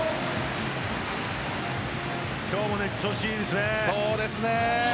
今日も調子いいですね。